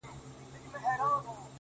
o ستا د رخسار خبري ډيري ښې دي؛